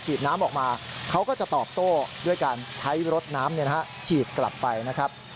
น้ำออกมาเขาก็จะตอบโต้ด้วยการใช้รถน้ำฉีดกลับไปนะครับ